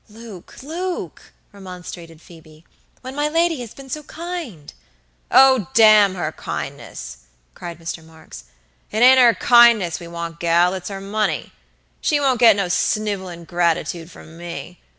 "Luke, Luke!" remonstrated Phoebe, "when my lady has been so kind!" "Oh, damn her kindness!" cried Mr. Marks; "it ain't her kindness as we want, gal, it's her money. She won't get no snivelin' gratitood from me.